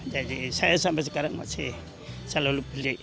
jadi saya sampai sekarang masih selalu beli